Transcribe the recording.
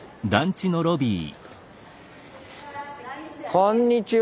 こんにちは。